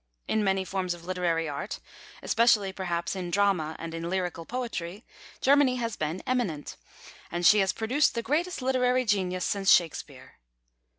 In many forms of literary art, especially perhaps in drama and in lyrical poetry, Germany has been eminent; and she has produced the greatest literary genius since Shakespeare.